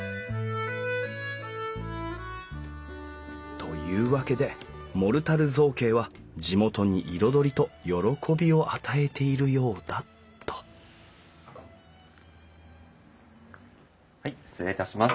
というわけでモルタル造形は地元に彩りと喜びを与えているようだとはい失礼いたします。